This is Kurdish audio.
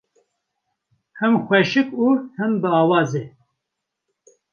Him xweşik û him biawaz e.